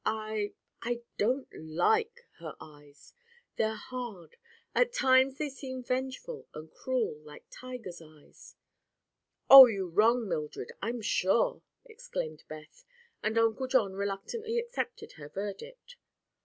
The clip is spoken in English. "I—I don't like—her eyes. They're hard. At times they seem vengeful and cruel, like tigers' eyes." "Oh, you wrong Mildred, I'm sure!" exclaimed Beth, and Uncle John reluctantly accepted her verdict.